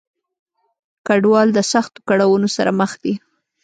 کډوال د سختو کړاونو سره مخ دي.